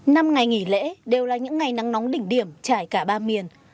năm ngày nghỉ lễ đều là những ngày nắng nóng đỉnh điểm trải cả ba miền